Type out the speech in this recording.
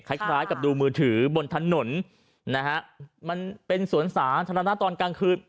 คล้ายกับดูมือถือบนถนนนะฮะมันเป็นสวนสาธารณะตอนกลางคืน